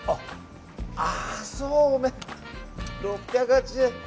そうめん、６８０円。